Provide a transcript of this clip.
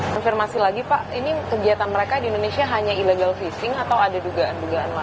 konfirmasi lagi pak ini kegiatan mereka di indonesia hanya illegal fishing atau ada dugaan dugaan lain